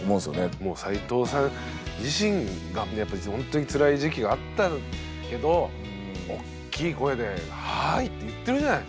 もう斉藤さん自身がやっぱりほんとにつらい時期があったけど大きい声で「はぁい！」って言ってるじゃない。